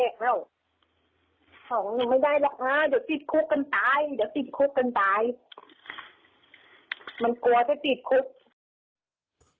ไม่ได้หรอกนะเดี๋ยวติดคุกกันตาย